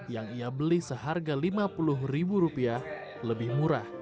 yang ia beli seharga lima puluh ribu rupiah lebih murah